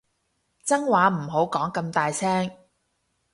真話唔好講咁大聲